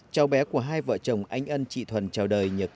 cháu bé của hai vợ chồng anh ân trị thuần chào đời nhật